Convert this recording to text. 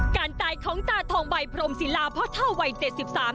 การตายของดาททองบ่ายพรมซิลาเพราะเธอวัยเจ็ดสิบสาม